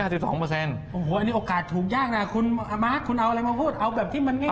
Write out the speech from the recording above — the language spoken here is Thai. โอ้โหอันนี้โอกาสถูกยากนะคุณมาร์คให้มีอะไรมาพูดไปที่ง่าย